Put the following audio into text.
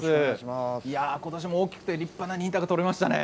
今年も大きくて立派な新高取れましたね。